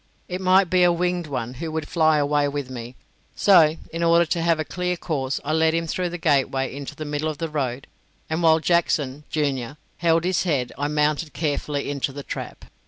It might be a winged one who would fly away with me; so, in order to have a clear course, I led him through the gateway into the middle of the road, and while Jackson, junior, held his head, I mounted carefully into the trap.